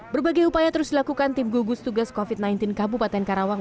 berbagai upaya terus dilakukan tim gugus tugas covid sembilan belas kabupaten karawang